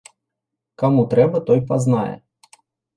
Каму трэба, той пазнае.